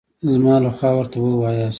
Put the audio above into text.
زما له خوا ورته ووایاست.